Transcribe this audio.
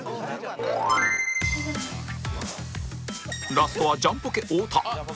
ラストはジャンポケ太田